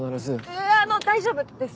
あぁあの大丈夫です。